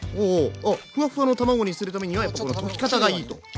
あフワフワの卵にするためにはやっぱこの溶き方がいいと。